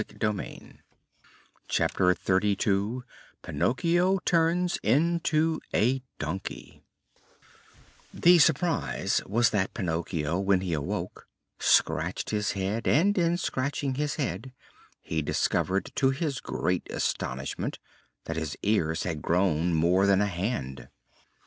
CHAPTER XXXII PINOCCHIO TURNS INTO A DONKEY The surprise was that Pinocchio, when he awoke, scratched his head, and in scratching his head he discovered, to his great astonishment, that his ears had grown more than a hand.